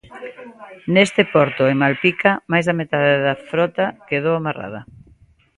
Neste porto, en Malpica, máis da metade da frota quedou amarrada.